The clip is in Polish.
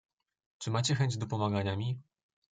"Czy macie chęć dopomagania mi?"